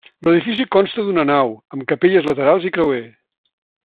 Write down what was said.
L'edifici consta d'una nau, amb capelles laterals i creuer.